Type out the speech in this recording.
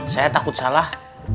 saya takut salah